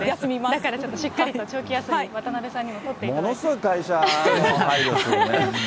だからちょっと、しっかりと長期休み、渡辺さんにも取っていものすごい会社に配慮するね。